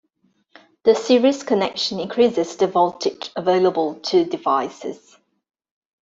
The series connection increases the voltage available to devices.